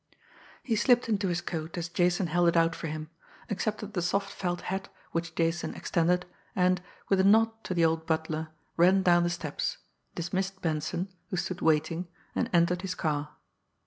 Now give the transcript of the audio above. He slipped into his coat as Jason held it out for him, accepted the soft felt hat which Jason extended, and, with a nod to the old butler, ran down the steps, dismissed Benson, who stood waiting, and entered his car.